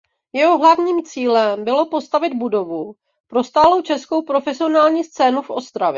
Jeho hlavním cílem bylo postavit budovu pro stálou českou profesionální scénu v Ostravě.